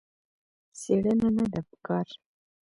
څېړنه نه ده په کار.